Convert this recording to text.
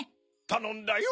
たのんだよ。